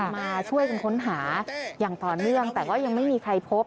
มาช่วยกันค้นหาอย่างต่อเนื่องแต่ก็ยังไม่มีใครพบ